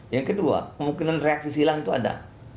yang kedua kemungkinan reaksi silang itu ada